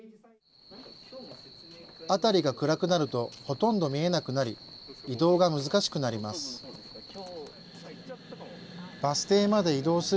辺りが暗くなるとほとんど見えなくなり、移動が難しくなります。